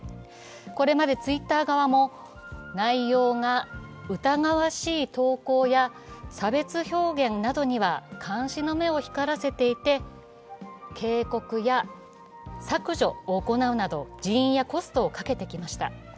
これまでＴｗｉｔｔｅｒ側も内容が疑わしい投稿や差別表現などには監視の目を光らせていて警告や削除を行うなど人員やコストをかけてきました。